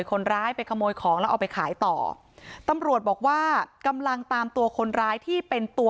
คนร้ายไปขโมยของแล้วเอาไปขายต่อตำรวจบอกว่ากำลังตามตัวคนร้ายที่เป็นตัว